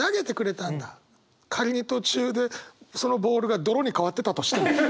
仮に途中でそのボールが泥に変わってたとしても。